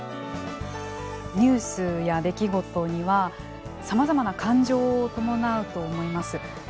ニュースや出来事にはさまざまな感情を伴うと思います。